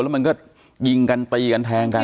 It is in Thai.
แล้วมันก็ยิงกันตีกันแทงกัน